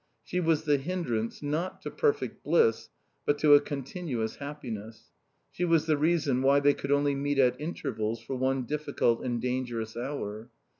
She was the hindrance, not to perfect bliss, but to a continuous happiness. She was the reason why they could only meet at intervals for one difficult and dangerous hour.